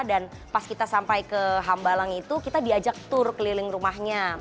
dan pas kita sampai ke hambalang itu kita diajak tour keliling rumahnya